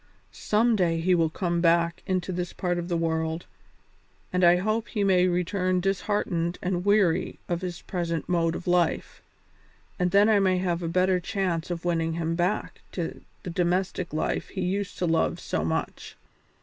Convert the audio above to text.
"Some day he will come back into this part of the world, and I hope he may return disheartened and weary of his present mode of life, and then I may have a better chance of winning him back to the domestic life he used to love so much.